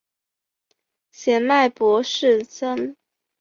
显脉柏氏参